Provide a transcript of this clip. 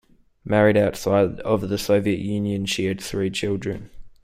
Married outside of the Soviet Union, she had three children.